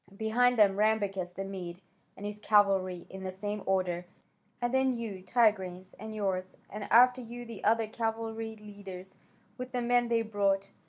Behind them Rambacas the Mede and his cavalry, in the same order, and then you, Tigranes, and yours, and after you the other cavalry leaders with the men they brought.